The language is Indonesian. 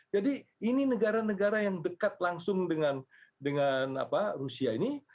jadi ini negara negara yang dekat langsung dengan rusia ini